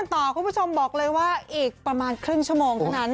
ต่อคุณผู้ชมบอกเลยว่าอีกประมาณครึ่งชั่วโมงเท่านั้น